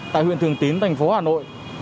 tại huyện thường tín thành phố hà nội